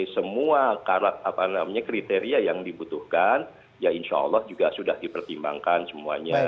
semua kriteria yang dibutuhkan ya insya allah juga sudah dipertimbangkan semuanya